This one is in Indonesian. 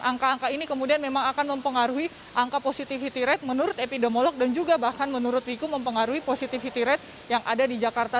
angka angka ini kemudian memang akan mempengaruhi angka positivity rate menurut epidemiolog dan juga bahkan menurut wiku mempengaruhi positivity rate yang ada di jakarta